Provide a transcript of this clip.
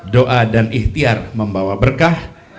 doa dan ikhtiar membawa berkah